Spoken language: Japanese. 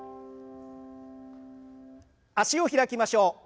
脚を開きましょう。